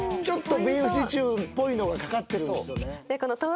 ちょっとビーフシチューっぽいのが掛かってるんですよね。